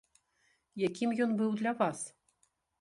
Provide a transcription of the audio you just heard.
Якім ён быў для вас?